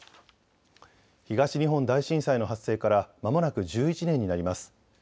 東日本大震災の発生からまもなく１１年になります。